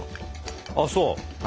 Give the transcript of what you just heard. ああそう？